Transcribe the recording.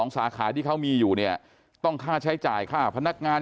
สาขาที่เขามีอยู่เนี่ยต้องค่าใช้จ่ายค่าพนักงาน